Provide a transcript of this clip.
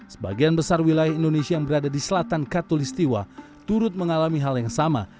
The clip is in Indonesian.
sebagian besar wilayah indonesia yang berada di selatan katolistiwa turut mengalami hal yang sama